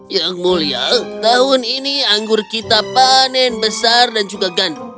yang mulia tahun ini anggur kita panen besar dan juga gandum